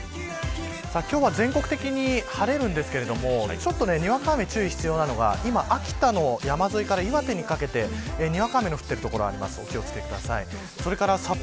今日は全国的に晴れるんですけどちょっと、にわか雨に注意が必要なのは秋田の山沿いから岩手にかけてにわか雨の降っている所があります。